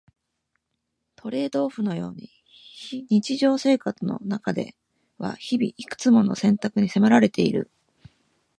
トレードオフのように日常生活の中では日々、いくつもの選択に迫られている。